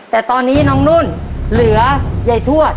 ต่อไปอีกหนึ่งข้อเดี๋ยวเราไปฟังเฉลยพร้อมกันนะครับคุณผู้ชม